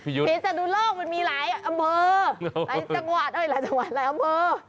พิษนุโลกมันมีหลายอำเมอหลายจังหวัดหลายอำเมอ